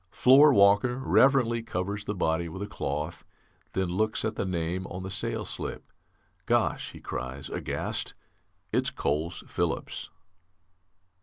Floorwalker reverently covers the body with a cloth, then looks at the name on the sales slip. 'Gosh,' he cries, aghast, 'it's Coles Phillips!'"